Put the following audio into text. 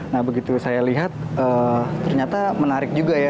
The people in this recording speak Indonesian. nah begitu saya lihat ternyata menarik juga ya